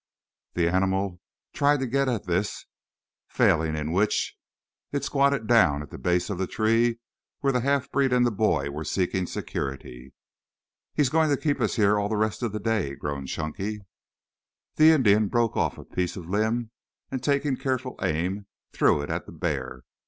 The animal tried to get at this, failing in which it squatted down at the base of the tree where the half breed and the boy were seeking security. "He's going to keep us here all the rest of the day," groaned Chunky. The Indian broke off a piece of limb and taking careful aim threw it at the bear.